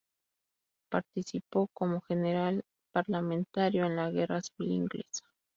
Participó como general parlamentario en la Guerra Civil Inglesa.